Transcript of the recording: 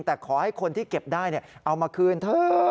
แต่ขอให้คนที่เก็บได้เอามาคืนเถอะ